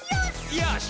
「よし！」